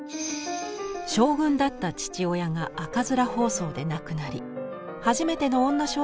将軍だった父親が赤面疱瘡で亡くなり初めての女将軍となった徳川家光。